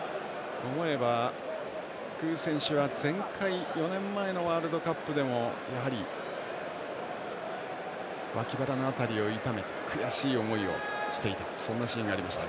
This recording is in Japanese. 思えば具選手は前回４年前のワールドカップでもやはり脇腹の辺りを痛めて悔しい思いをしていたそんなシーンがありました。